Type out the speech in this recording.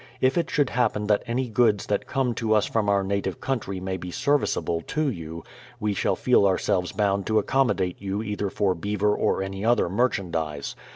If it should happen that any goods that come to us from our native country may be serviceable I to you, we shall feel ourselves bound to accommodate j^ou either for beaver or any other merchandise.